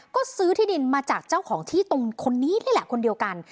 ก็ซื้อที่ดินมาจากเจ้าของที่ตรงคนนี้นี่แหละคนเดียวกัน